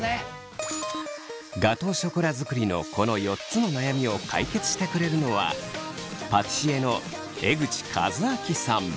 ガトーショコラ作りのこの４つの悩みを解決してくれるのはパティシエの江口和明さん。